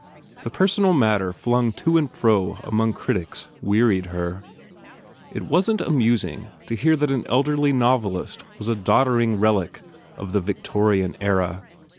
The personal matter flung to and fro among critics wearied her. It wasn t amusing to hear that an elderly novelist was "a doddering relic of the Victorian era."